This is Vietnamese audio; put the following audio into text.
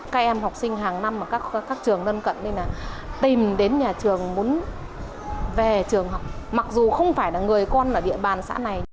các em học sinh hàng năm ở các trường gần cận tìm đến nhà trường muốn về trường học mặc dù không phải là người con ở địa bàn xã này